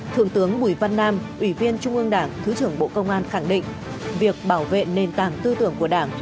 thượng tướng bùi văn nam ủy viên trung ương đảng thứ trưởng bộ công an khẳng định việc bảo vệ nền tảng tư tưởng của đảng